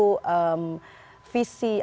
sebagai penjabat apakah itu adalah salah satu visi